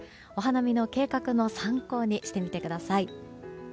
お花見の計画の参考にしてみてください。